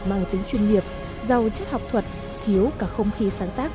mang tính chuyên nghiệp giàu chất học thuật thiếu cả không khí sáng tác